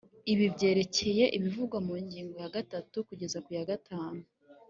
ibi byerekeye ibivugwa mu ngingo ya gatatu kugeza ku ya gatanu